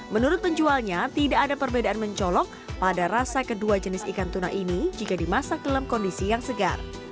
menurut penjualnya tidak ada perbedaan mencolok pada rasa kedua jenis ikan tuna ini jika dimasak dalam kondisi yang segar